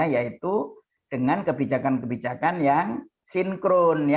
yaitu dengan kebijakan kebijakan yang sinkron